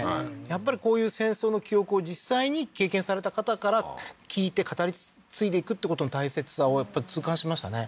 やっぱりこういう戦争の記憶を実際に経験された方から聞いて語り継いでいくってことの大切さをやっぱ痛感しましたね